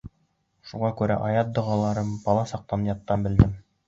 Шуға күрә аят-доғаларҙы бала саҡтан яттан белдем.